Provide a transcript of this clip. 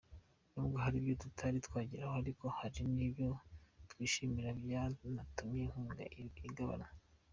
N’ubwo hari ibyo tutari twageraho ariko hari ibyo twishimira byanatumye inkunga igabanwa.